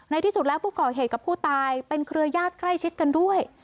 ที่สุดแล้วผู้ก่อเหตุกับผู้ตายเป็นเครือญาติใกล้ชิดกันด้วย